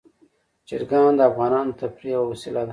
چرګان د افغانانو د تفریح یوه وسیله ده.